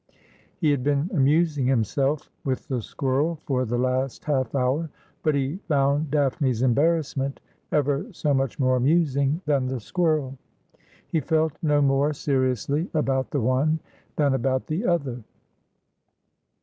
He had been amusing himself with the squirrel for the last half hour ; but he found Daphne's embarrassment ever so much more amusing than the squirrel. He felt no more seriously about the one than about the other.